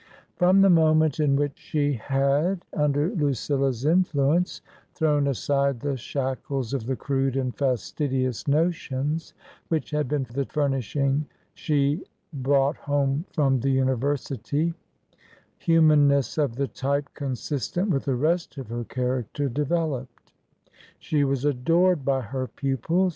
From the moment in which she had, under Lucilla's in fluence, thrown aside the shackles of the crude and fastidious notions which had been the furnishing she brought home from the University, humanness of the type consistent with the rest of her character developed. She was adored by her pupils.